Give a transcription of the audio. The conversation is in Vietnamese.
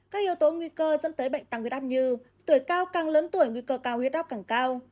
các yếu tố nguy cơ dẫn tới bệnh tăng huyết áp như tuổi cao càng lớn tuổi nguy cơ cao huyết áp càng cao